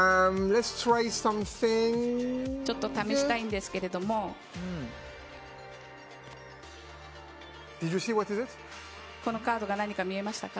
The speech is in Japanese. ちょっと試したいんですけれどもこのカードは何か見えましたか。